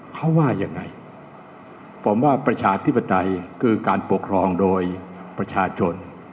เขาว่ายังไงผมว่าประชาธิปไตยคือการปกครองโดยประชาชน